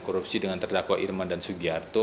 korupsi dengan terdakwa irman dan sugiharto